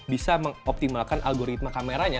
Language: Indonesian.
bisa mengoptimalkan algoritma kameranya